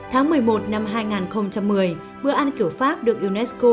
tháng một mươi một năm hai nghìn một mươi bữa ăn kiểu pháp được unesco